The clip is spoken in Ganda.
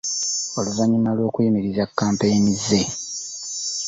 Oluvannyuma lw'okuyimiriza kkampeyini ze